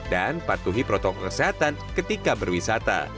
dan patuhi protokol kesehatan ketika berwisata